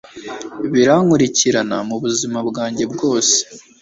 birankurikirana; mu buzima bwanjye bwose